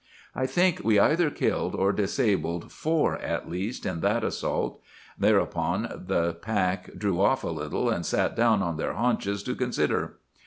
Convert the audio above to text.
"I think we either killed or disabled four at least in that assault. Thereupon the pack drew off a little, and sat down on their haunches to consider.